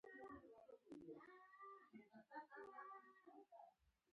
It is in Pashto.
د شالیو د نیالګیو ترمنځ څومره فاصله وي؟